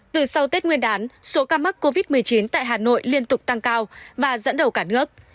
từ sau tết nguyên đán số ca mắc covid một mươi chín tại hà nội liên tục tăng cao và dẫn đầu cả nước